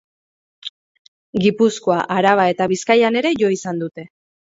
Gipuzkoa, Araba eta Bizkaian ere jo izan dute.